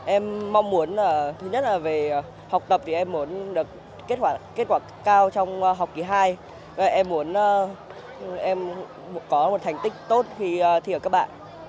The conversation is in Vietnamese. em mong muốn thứ nhất là về học tập thì em muốn được kết quả cao trong học kỳ hai em muốn có một thành tích tốt thì ở các bạn